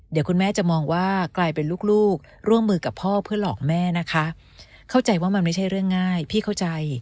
เดี๋ยวคุณแม่จะมองว่ากลายร่วมด้วยพ่อเพื่อหลอกแม่ค่ะ